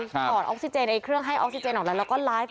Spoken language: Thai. ถอดออกซิเจนเครื่องให้ออกซิเจนออกอะไรแล้วก็ไลฟ์